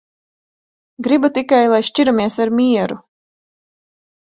Gribu tikai, lai šķiramies ar mieru.